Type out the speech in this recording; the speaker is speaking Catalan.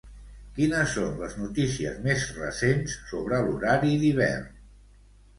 Quines són les notícies més recents sobre l'horari d'hivern?